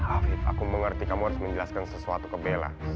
afif aku mengerti kamu harus menjelaskan sesuatu ke bella